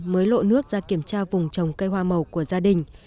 mới lộ nước ra kiểm tra vùng trồng cây hoa màu của gia đình